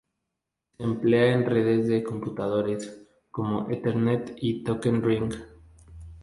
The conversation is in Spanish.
Se emplea en redes de computadores, como Ethernet o Token Ring.